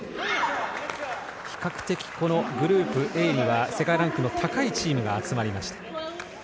比較的グループＡには世界ランクの高いチームが集まりました。